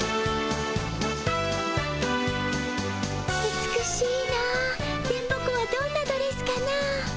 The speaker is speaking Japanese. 美しいの電ボ子はどんなドレスかの？